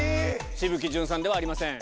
紫吹淳さんではありません。